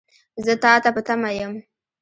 زه تا ته په تمه یم .